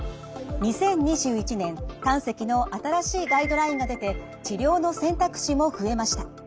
２０２１年胆石の新しいガイドラインが出て治療の選択肢も増えました。